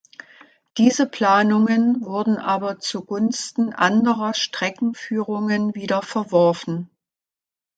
Diese Planungen wurden aber zugunsten anderer Streckenführungen wieder verworfen.